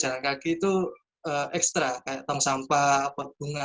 jalan kaki itu ekstra kayak tem sampah pot bunga